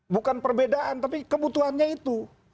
bukan perbedaan tapi kebutuhannya itu